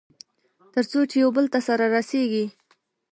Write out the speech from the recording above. تر څو چې يوبل ته سره رسېږي.